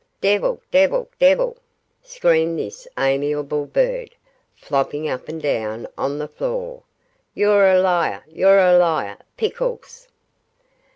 'Devil! devil! devil!' screamed this amiable bird, flopping up and down on the floor. 'You're a liar! You're a liar! Pickles.